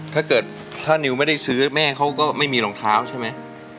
ถ้าเกิดถ้านิวไม่ได้ซื้อแม่เขาก็ไม่มีรองเท้าใช่ไหม